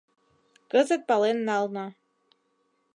Кызыт пален нална.